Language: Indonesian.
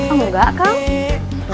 oh engga kak